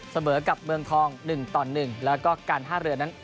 เสมอกับเมืองทอง๑ต่อ๑แล้วก็การท่าเรือนั้น